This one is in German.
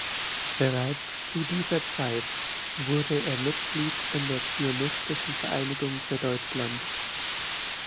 Bereits zu dieser Zeit wurde er Mitglied in der Zionistischen Vereinigung für Deutschland.